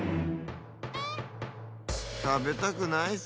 たべたくなイス。